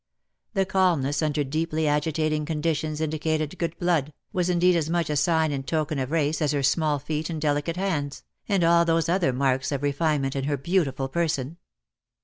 The calmness under deeply agitating con ditions indicated good blood, was indeed as much a sign and token of race as her small feet and delicate hands, and all those other 'marks of re finement in her beautiful person.